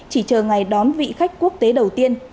chỉ chờ ngày đón vị khách quốc tế đầu tiên